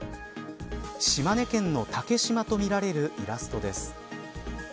島根県の竹島とみられるイラストです。